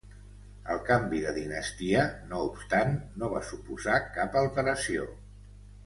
El canvi de dinastia no obstant no va suposar cap alteració.